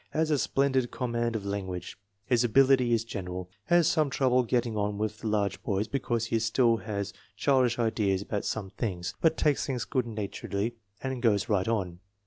Has a splendid com mand of language. His ability is general. Has some trouble getting on with the large boys because he still has childish ideas about some things; but takes things good naturedly and goes right on.